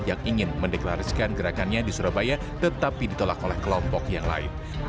yang ingin mendeklarasikan gerakannya di surabaya tetapi ditolak oleh kelompok yang lain